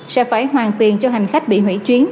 sẽ phải hoàn tiền cho hành khách bị hủy chuyến